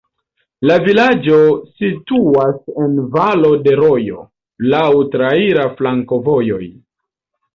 La vilaĝo situas en valo de rojo, laŭ traira flankovojoj.